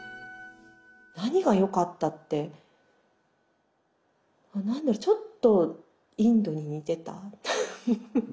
何がよかったって何だろちょっとインドに似てたフッフフ。